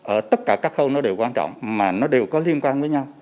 ở tất cả các khâu nó đều quan trọng mà nó đều có liên quan với nhau